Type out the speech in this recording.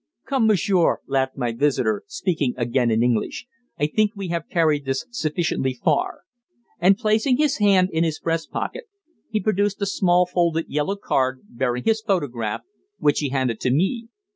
"Come, monsieur," laughed my visitor, speaking again in English, "I think we have carried this sufficiently far." And, placing his hand in his breast pocket, he produced a small folded yellow card bearing his photograph, which he handed to me.